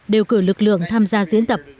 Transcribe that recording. đều cử lực lượng tham gia diễn tập